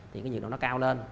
thì cái nhiệt độ nó cao lên